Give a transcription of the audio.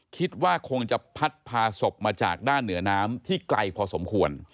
คิดว่าคงจะพัดพาศพมาจากด้านเหนือน้ำที่ไกลพอสมควร